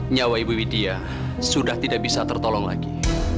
nyawa ibu widya sudah tidak bisa tertolong lagi